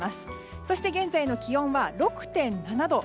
そして、現在の気温は６．７度。